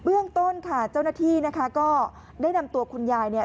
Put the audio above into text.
เรื่องต้นค่ะเจ้าหน้าที่นะคะก็ได้นำตัวคุณยายเนี่ย